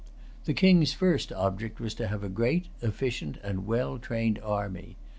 The King's first object was to have a great, efficient, and well trained army.